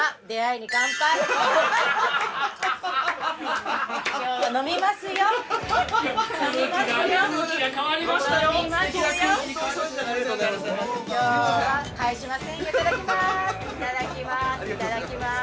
いただきます。